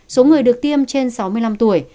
số người được tiêm trên sáu mươi năm tuổi